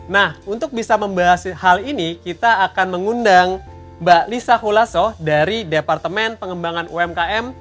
nah untuk bisa membahas hal ini kita akan mengundang mbak lisa hulaso dari departemen pengembangan umkm